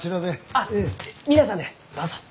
あっ皆さんでどうぞ。